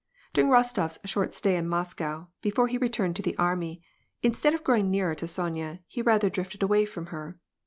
In^ During Rostof's short stay in Moscow, before he returned the army, instead of growing nearer to Sonya he ratl^s^ drifted away from her.